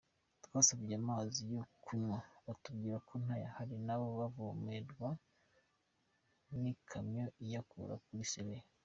Twasabye amazi yo kunywa batubwira ko ntayahari nabo bavomerwa n’ikamyo iyakura kuri Sebeya.